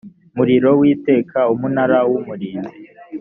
muriro w iteka umunara w umurinzi